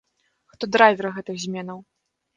Хто драйвер гэтых зменаў?